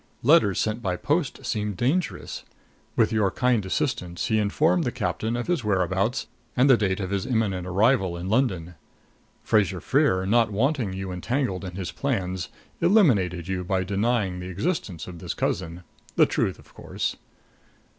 Letters sent by post seemed dangerous. With your kind assistance he informed the captain of his whereabouts and the date of his imminent arrival in London. Fraser Freer, not wanting you entangled in his plans, eliminated you by denying the existence of this cousin the truth, of course."